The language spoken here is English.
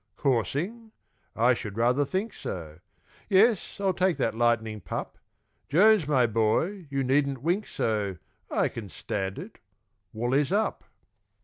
Coursing! I should rather think so; Yes, I'll take that "Lightning" pup; Jones, my boy, you needn't wink so, I can stand it wool is up!